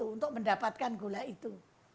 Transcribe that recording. untuk mendapatkan gula itu